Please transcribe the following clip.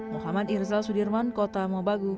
muhammad irzal sudirman kota mobagu